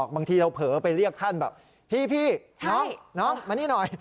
บางทีเราเผลอไปเรียกท่านแบบพี่น้องมานี่หน่อย